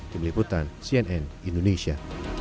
di meliputan cnn indonesia